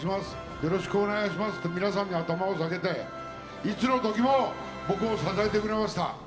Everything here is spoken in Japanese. よろしくお願いしますって皆さんに頭を下げていつの時も僕を支えてくれました。